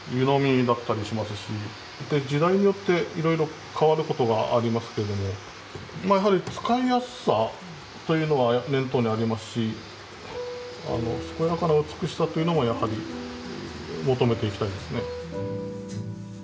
時代によっていろいろ変わることがありますけどもやはり使いやすさというのは念頭にありますしすこやかな美しさというのはやはり求めていきたいですね。